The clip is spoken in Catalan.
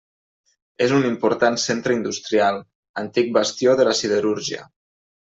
És un important centre industrial, antic bastió de la siderúrgia.